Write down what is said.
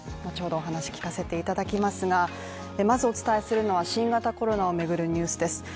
後ほどお話聞かせていただきますが、まずお伝えするのは、新型コロナを巡るニュースです。